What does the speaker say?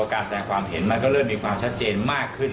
การแสดงความเห็นมันก็เริ่มมีความชัดเจนมากขึ้น